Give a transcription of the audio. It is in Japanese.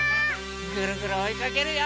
ぐるぐるおいかけるよ！